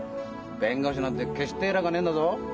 弁護士なんて決して偉かねえんだぞ。